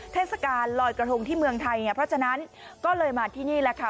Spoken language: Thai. เทศกาลลอยกระทงที่เมืองไทยไงเพราะฉะนั้นก็เลยมาที่นี่แหละค่ะ